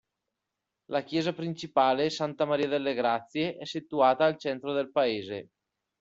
La chiesa principale, "Santa Maria delle Grazie" è situata al centro del paese.